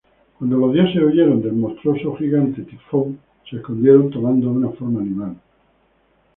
Cuando los dioses huyeron del monstruoso gigante Tifón, se escondieron tomando una forma animal.